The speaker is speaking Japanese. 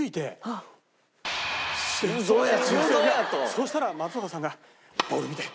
そしたら松岡さんが「ボール見て！